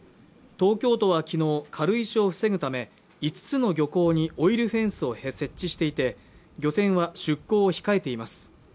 東京都は昨日、軽石を防ぐため、５つの漁港にオイルフェンスを設置していて漁船は出航を控えています。